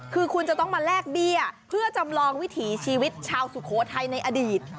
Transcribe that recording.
คือคุณจะต้องมาแลกเบี้ยเพื่อจำลองวิถีชีวิตชาวสุโขทัยในอดีต